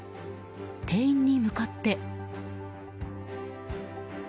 店員に向かって。